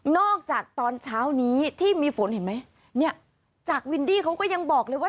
จากตอนเช้านี้ที่มีฝนเห็นไหมเนี่ยจากวินดี้เขาก็ยังบอกเลยว่า